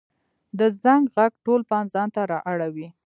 د زنګ ږغ ټول پام ځانته را اړوي.